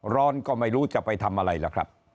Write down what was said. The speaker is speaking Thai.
ร้อนก็ไม่รู้จะไปทำอะไรล่ะครับ